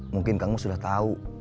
mungkin kang mus sudah tau